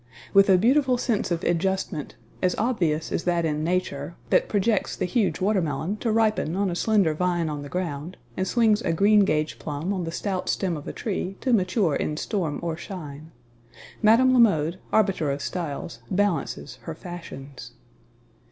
With a beautiful sense of adjustment as obvious as that in Nature, that projects the huge watermelon to ripen on a slender vine on the ground and swings a greengage plum on the stout stem of a tree to mature in storm or shine Mme. La Mode, arbiter of styles, balances her fashions.